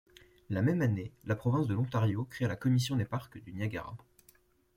La même année, la province de l’Ontario créa la Commission des parcs du Niagara.